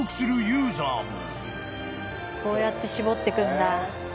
こうやって絞ってくんだ。